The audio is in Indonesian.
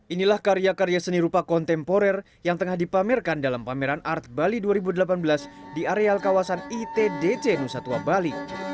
inilah karya karya seni rupa kontemporer yang tengah dipamerkan dalam pameran art bali dua ribu delapan belas di areal kawasan itdc nusa dua bali